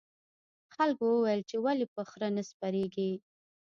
خلکو وویل چې ولې په خره نه سپریږې.